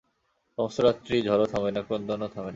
সমস্ত রাত্রি ঝড়ও থামে না, ক্রন্দনও থামে না।